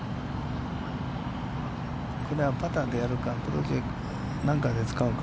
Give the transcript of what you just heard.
パターでやるか、アプローチを何かで使うか。